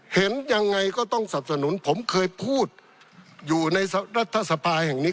เห็นยังไงก็ต้องสับสนุนผมเคยพูดอยู่ในรัฐสภาแห่งนี้